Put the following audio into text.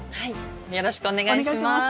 よろしくお願いします。